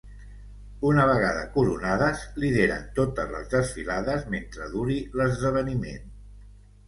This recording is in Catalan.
Una vegada coronades, lideren totes les desfilades mentre duri l'esdeveniment.